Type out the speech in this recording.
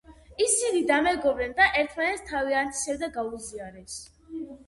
ისინი დამეგობრდნენ და ერთმანეთს თავიანთი სევდა გაუზიარეს.